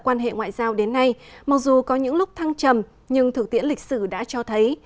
quan hệ ngoại giao đến nay mặc dù có những lúc thăng trầm nhưng thực tiễn lịch sử đã cho thấy